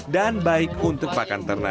dan baik untuk pakan ternak